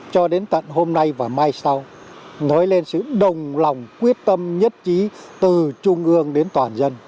cho đến tận hôm nay và mai sau nói lên sự đồng lòng quyết tâm nhất trí từ trung ương đến toàn dân